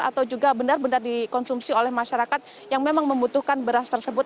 atau juga benar benar dikonsumsi oleh masyarakat yang memang membutuhkan beras tersebut